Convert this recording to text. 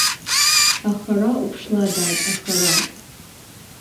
Ахара уԥшла, дад, ахара…